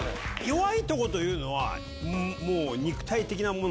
弱いとこというのは。